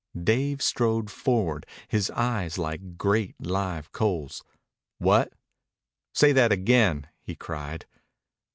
Dave strode forward, his eyes like great live coals. "What? Say that again!" he cried.